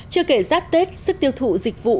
chưa kể giáp tết sức tiêu thụ dịch vụ